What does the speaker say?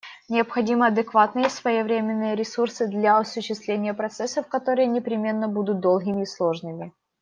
Необходимы адекватные и своевременные ресурсы для осуществления процессов, которые непременно будут долгими и сложными.